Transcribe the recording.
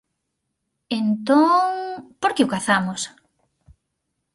_Entón..., ¿por que o cazamos?